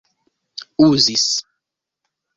uzis